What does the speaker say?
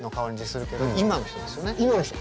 今の人。